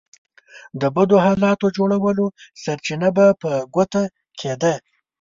د بدو حالاتو جوړولو سرچينه به په ګوته کېده.